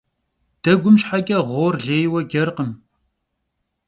Degum şheç'e ğuor lêyue cerkhım.